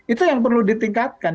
itu yang perlu ditingkatkan